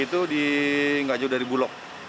itu di enggak jauh dari bulog